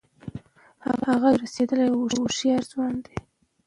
هغه یو رسېدلی او هوښیار ځوان دی.